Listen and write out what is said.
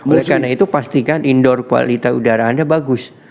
oleh karena itu pastikan indoor kualitas udara anda bagus